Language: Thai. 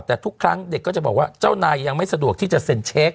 แต่ทุกครั้งเด็กก็จะบอกว่าเจ้านายยังไม่สะดวกที่จะเซ็นเช็ค